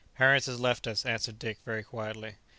"Harris has left us," answered Dick very quietly.